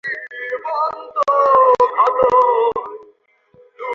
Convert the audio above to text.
তিনি কুমায়ুন কেশরী নামে সমধিক পরিচিত।